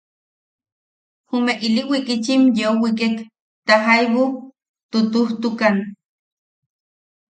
Jume ili wikitchim yeu wikek, ta jaibu tutujtukan.